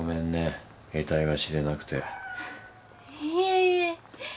いえいえ。